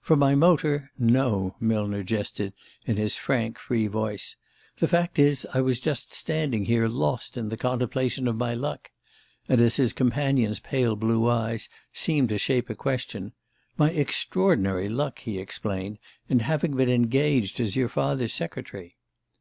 "For my motor? No," Millner jested in his frank free voice. "The fact is, I was just standing here lost in the contemplation of my luck" and as his companion's pale blue eyes seemed to shape a question, "my extraordinary luck," he explained, "in having been engaged as your father's secretary."